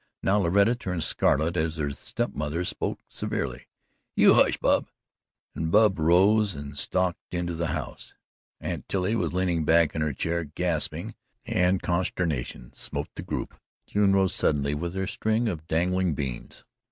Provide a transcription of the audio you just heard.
Now Loretta turned scarlet as the step mother spoke severely: "You hush, Bub," and Bub rose and stalked into the house. Aunt Tilly was leaning back in her chair gasping and consternation smote the group. June rose suddenly with her string of dangling beans.